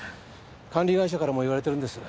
管理会社からも言われてるんです。